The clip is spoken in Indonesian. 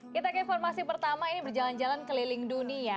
kita ke informasi pertama ini berjalan jalan keliling dunia